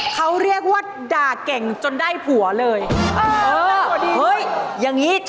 เขาเรียกว่าด่าเก่งจนได้ผัวเลย